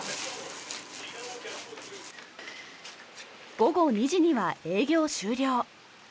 午後２時には営業終了。